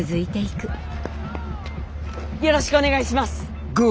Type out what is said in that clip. よろしくお願いします！